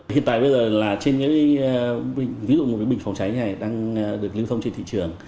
hiện tại bây giờ là trên những ví dụ một cái bình phòng cháy này đang được lưu thông trên thị trường